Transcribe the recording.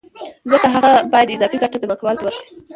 ځکه هغه باید اضافي ګټه ځمکوال ته ورکړي